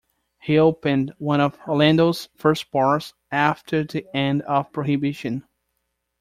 He opened one of Orlando's first bars after the end of Prohibition.